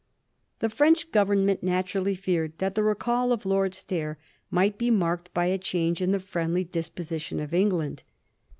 The French Government naturally feared that the recall of Lord Stair might be marked by a change in the friendly disposition of England.